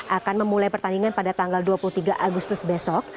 akan memulai pertandingan pada tanggal dua puluh tiga agustus besok